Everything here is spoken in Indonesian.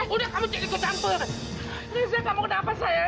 udah kamu cek ikut campur reza kamu kenapa sayang